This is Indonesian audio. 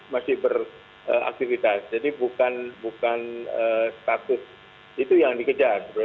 masih beraktivitas jadi bukan status itu yang dikejar